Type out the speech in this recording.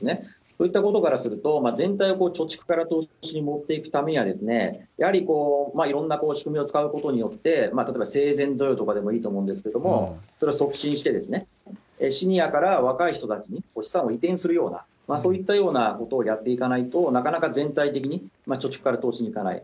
そういったことからすると、全体を貯蓄から投資に持っていくためには、やはりいろんな仕組みを使うことによって、例えば生前贈与とかでもいいと思うんですけれども、それを促進して、シニアから若い人たちに資産を移転するような、そういったようなことをやっていかないと、なかなか全体的に貯蓄から投資に行かない。